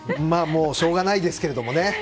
もう、しょうがないですけどね。